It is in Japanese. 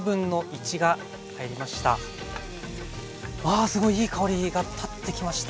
あすごいいい香りが立ってきました。